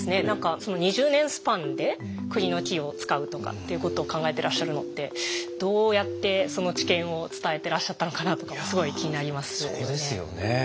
何か２０年スパンでクリの木を使うとかっていうことを考えてらっしゃるのってどうやってその知見を伝えてらっしゃったのかなとかもすごい気になりますよね。